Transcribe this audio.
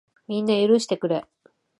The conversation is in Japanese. みんな、許してくれ。